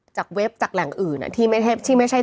เว็บจากแหล่งอื่นที่ไม่ใช่